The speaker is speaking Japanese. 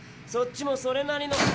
そっちもそれなりの。